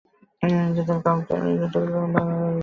কাউকে বাইরে যেতে দেবে না।